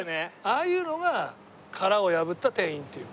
ああいうのが殻を破った店員っていうの。